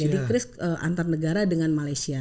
jadi antar negara dengan malaysia